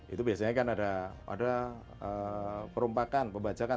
itu biasanya kan ada perompakan pembajakan